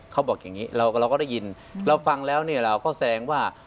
เขาบอกอย่างนี้เราก็ได้ยินเราฟังแล้วเนี่ยเราก็แสดงว่า